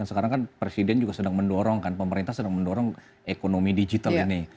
sekarang kan presiden juga sedang mendorong kan pemerintah sedang mendorong ekonomi digital ini